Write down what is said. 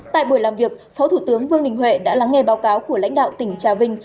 tại buổi làm việc phó thủ tướng vương đình huệ đã lắng nghe báo cáo của lãnh đạo tỉnh trà vinh